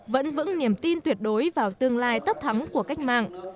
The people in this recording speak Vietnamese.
vẫn vững niềm tin tuyệt đối vào tương lai tất thắng của cách mạng